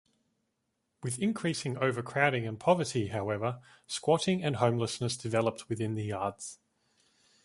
With increasing overcrowding and poverty, however, squatting and homelessness developed within the yards.